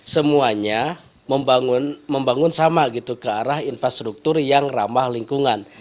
semuanya membangun sama gitu ke arah infrastruktur yang ramah lingkungan